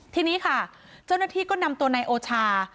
ที่นี้ค่ะเจ้านักธิก็นำตัวนายโอช่า